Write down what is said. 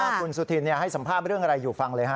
คุณสุธินให้สัมภาษณ์เรื่องอะไรอยู่ฟังเลยฮะ